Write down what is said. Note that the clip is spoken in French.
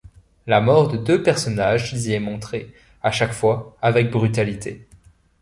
La mort de deux personnages y est montrée, à chaque fois, avec brutalité.